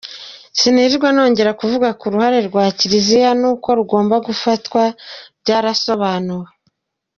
Sinirwa nongera kuvuga ku ruhare rwa Kiliziya n’uko rugomba gufatwa byarasobanuwe.